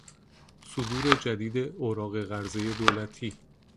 صدور جدید اوراق قرضهی دولتی